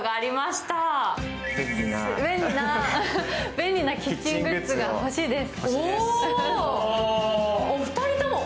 便利なキッチングッズが欲しいです。